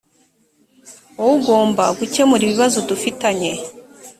wowe ugomba gukemura ibibazo dufitanye